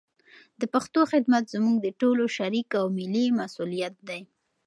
د پښتو خدمت زموږ د ټولو شریک او ملي مسولیت دی.